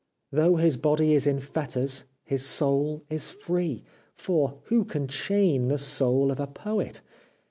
Though his body is in fetters his soul is free — for who can chain the soul of a poet